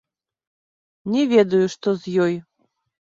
Не ведаю, што з ёй.